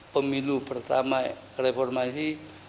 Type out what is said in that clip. pemilu pertama reformasi